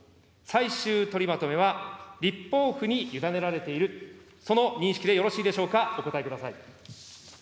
最終取りまとめは立法府に委ねられている、その認識でよろしいでしょうか、お答えください。